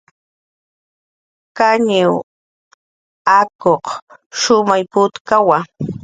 Kañiw akuq shumay putkawa